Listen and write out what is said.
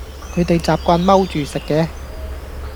佢哋習慣踎住食嘅